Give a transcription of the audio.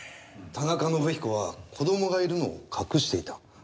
田中伸彦は子供がいるのを隠していた。